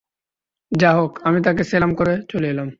যা হোক, আমি তাকে সেলাম করে চলে এলাম।